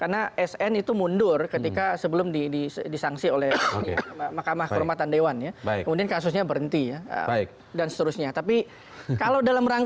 karena sn itu mundur ketika sebelum disangsi oleh makamah kehormatan dewan ya kemudian kasusnya